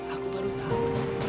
aku baru tahu